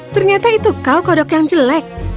ternyata itu kau kodok yang jelek